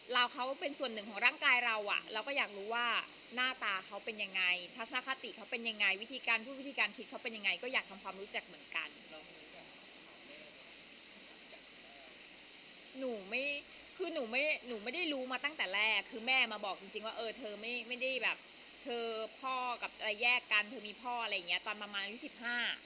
มีค่ะมีค่ะมีค่ะมีค่ะมีค่ะมีค่ะมีค่ะมีค่ะมีค่ะมีค่ะมีค่ะมีค่ะมีค่ะมีค่ะมีค่ะมีค่ะมีค่ะมีค่ะมีค่ะมีค่ะมีค่ะมีค่ะมีค่ะมีค่ะมีค่ะมีค่ะมีค่ะมีค่ะมีค่ะมีค่ะมีค่ะมีค่ะมีค่ะมีค่ะมีค่ะมีค่ะมีค่ะ